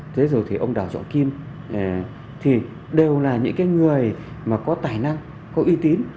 ví dụ như là ông đào trọ kim thì đều là những người có tài năng có uy tín